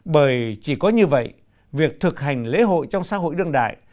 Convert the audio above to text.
bởi chỉ có như vậy việc thực hành lễ hội trong xã hội đương đại